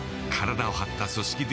体を張った組織